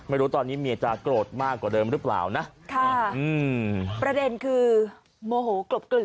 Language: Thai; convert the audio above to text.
ไม่รู้ตอนนี้เมียจะโกรธมากกว่าเดิมหรือเปล่านะค่ะอืมประเด็นคือโมโหกลบกลื่อ